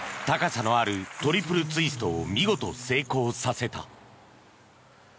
高さのあるトリプルツイストを見事成功させた。